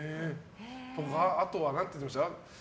あとは何て言ってました？